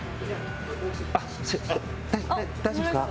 あっ大丈夫ですか？